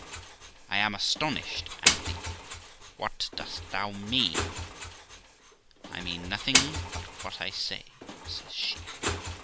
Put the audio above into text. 'I am astonished at thee: what dost thou mean?' 'I mean nothing but what I say', says she.